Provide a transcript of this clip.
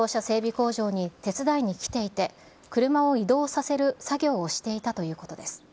工場に手伝いに来ていて、車を移動させる作業をしていたということです。